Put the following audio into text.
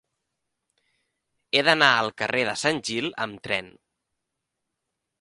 He d'anar al carrer de Sant Gil amb tren.